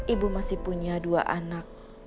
ibu masih punya dua anak